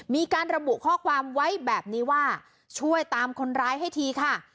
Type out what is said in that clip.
มีการระบุข้อความไว้แบบนี้ว่าช่วยตามคนร้ายให้ทีค่ะ